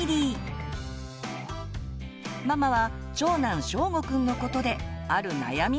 ママは長男しょうごくんのことである悩みがありました。